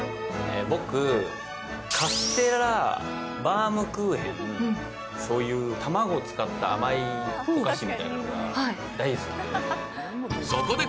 僕、カステラ、バームクーヘン、そういう卵を使った甘いお菓子みたいなのが大好きで。